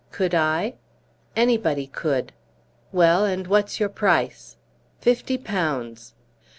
"Could I?" "Anybody could." "Well, and what's your price?" "Fifty pounds."